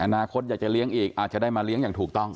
อนาคตอยากจะเลี้ยงอีกอาจจะได้มาเลี้ยงอย่างถูกต้อง